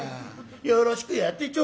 よろしくやってちょ」